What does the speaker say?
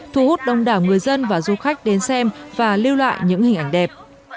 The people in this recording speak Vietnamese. thu hút đông đảo người dân và du khách đến xem và lưu lại những hình ảnh đẹp